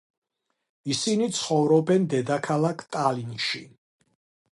ისინი ცხოვრობენ დედაქალაქ ტალინში.